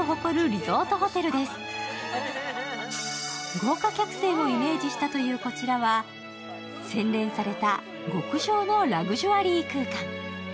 豪華客船をイメージしたというこちらは洗練された極上のラグジュアリー空間。